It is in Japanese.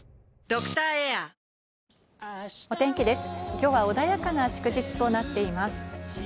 今日は穏やかな祝日となっています。